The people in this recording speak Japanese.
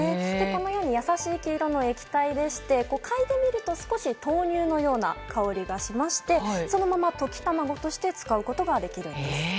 優しい黄色の液体でしてかいでみると豆乳のような香りがしましてそのまま溶き卵として使うことができるんです。